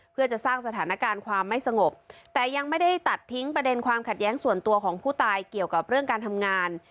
เพื่อจะสร้างสถานการณ์ความไม่สงบแต่ยังไม่ได้ตัดทิ้งประเด็นความขัดแย้งส่วนตัวของผู้ตายเกี่ยวกับเรื่องการทำงาน